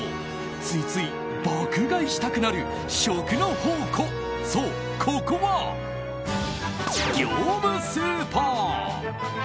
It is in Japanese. ついつい爆買いしたくなる食の宝庫そう、ここは業務スーパー。